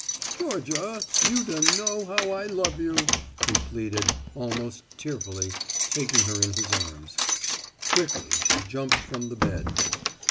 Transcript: "Georgia, you dunno how I love you," he pleaded, almost tearfully, taking her in his arms. Quickly she jumped from the bed.